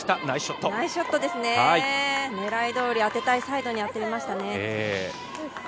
ナイスショットですね、狙いどおり当てたいサイドに当てましたね。